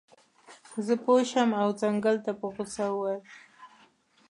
زه پوه شم او ځنګل ته په غوسه وویل.